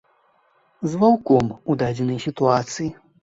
З ваўком у дадзенай сітуацыі.